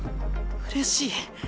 うれしい。